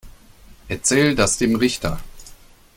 Erzähl das dem Richter.